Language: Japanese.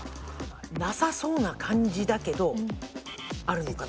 なさそうな感じだけどあるのかな？